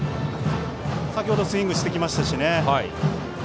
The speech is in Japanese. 先程スイングしてきましたしね。